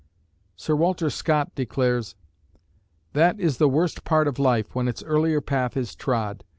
Sir Walter Scott declares: That is the worst part of life when its earlier path is trod.